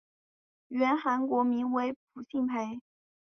原韩国名为朴庆培。